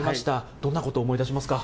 どんなことを思い出しますか。